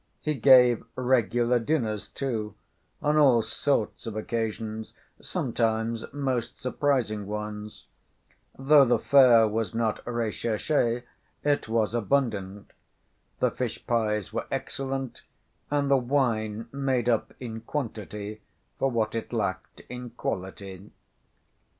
He gave regular dinners, too, on all sorts of occasions, sometimes most surprising ones. Though the fare was not recherché, it was abundant. The fish‐pies were excellent, and the wine made up in quantity for what it lacked in quality.